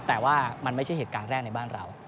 แต่ว่ามันไม่ใช่เหตุการณ์แรกในบ้านเรา